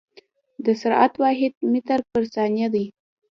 د سرعت واحد متر پر ثانیه دی.